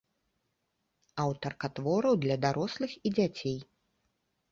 Аўтарка твораў для дарослых і дзяцей.